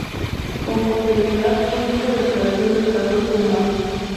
Con posterioridad fue jefe de operaciones de la Flota de Mar.